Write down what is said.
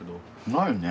ないね。